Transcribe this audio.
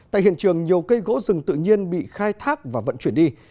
tại hiện trường nhiều cây gỗ rừng tự nhiên bị khai thác và vận chuyển đi